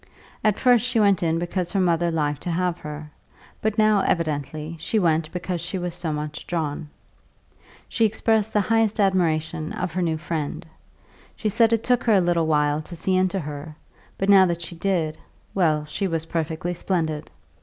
At first she went in because her mother liked to have her; but now, evidently, she went because she was so much drawn. She expressed the highest admiration of her new friend; she said it took her a little while to see into her, but now that she did, well, she was perfectly splendid.